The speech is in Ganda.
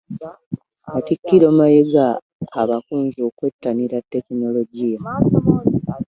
Katikkiro Mayiga abakunze okwettanira tekinologiya.